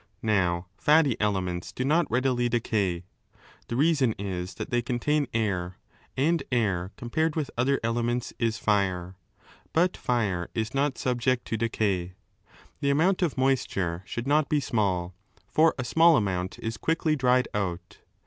Now, fatty elements do not readily decay. The reason is that they contain air, and air compared with other elements is fira But fire is not subject to decay. The amount of moisture should not be small, for a small amount is quickly dried out.